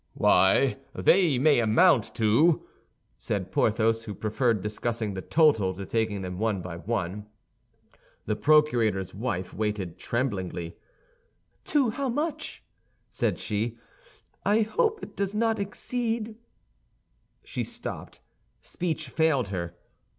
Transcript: "Why, they may amount to—", said Porthos, who preferred discussing the total to taking them one by one. The procurator's wife waited tremblingly. "To how much?" said she. "I hope it does not exceed—" She stopped; speech failed her.